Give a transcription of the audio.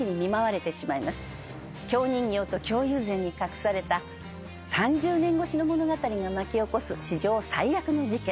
京人形と京友禅に隠された３０年越しの物語が巻き起こす史上最悪の事件。